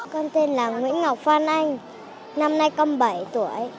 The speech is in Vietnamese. con tên là nguyễn ngọc phan anh năm nay con bảy tuổi